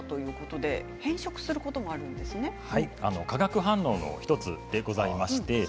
化学反応の１つでございます。